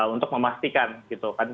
untuk memastikan gitu kan